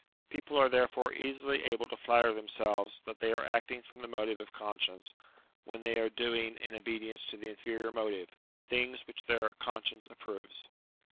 People are therefore easily able to flatter themselves that they are acting from the motive of conscience when they are doing UTILITY OF RELIGION 85 in obedience to the inferior motive, things which their conscience approves.